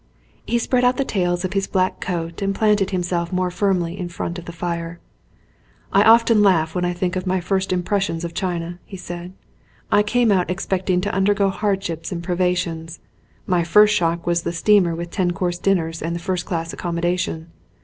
He spread out the tails of his black coat and planted himself more firmly in front of the fire. "I often laugh when I think of my first im pressions of China," he said. "I came out ex pecting to undergo hardships and privations. My first shock was the steamer with ten course dinners and first class accommodation.